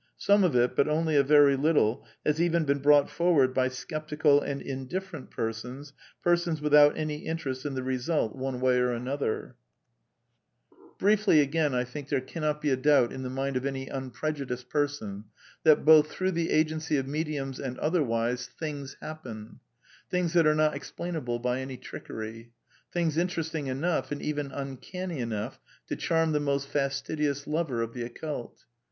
Some of it, but only a very little, has even been brought forward by sceptical and indiffer ent persons, persons without any interest in the result one way or other. 812 A DEFENCE OF IDEALISM Briefly, again, I think there cannot be a doubt in the mind of any unprejudiced person that, both through the agency of mediums and otherwise, things happen; things that are not explainable by any trickery; things interest ing enough, and even uncanny enough to charm the most fastidious lover of the occult.